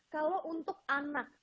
kalau untuk anak